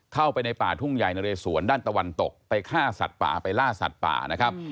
เข้าไปในป่าทุ่งใหญ่นะเรสวนด้านตะวันตกไปฆ่าสัตว์ป่าไปล่าสัตว์ป่านะครับ